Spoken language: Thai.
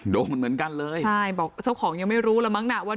โดนเหมือนกันเลยใช่บอกเจ้าของยังไม่รู้แล้วมั้งน่ะว่า